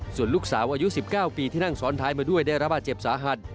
ส่วนลูกสาวอายุ๑๙ปีที่นั่งซ้อนท้ายมาด้วยได้รับบาดเจ็บสาหัส